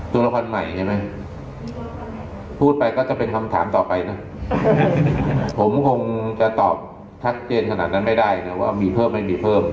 ตัวละครใหม่ใช่ไหมพูดไปก็จะเป็นคำถามต่อไปนะผมคงจะตอบชัดเจนขนาดนั้นไม่ได้นะว่ามีเพิ่มไม่มีเพิ่ม